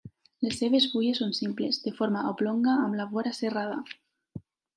Les seves fulles són simples, de forma oblonga amb la vora serrada.